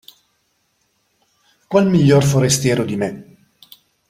Qual migliore forestiero di me?